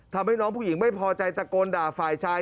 ทำให้น้องผู้หญิงไม่พอใจตะโกนด่าฝ่ายชาย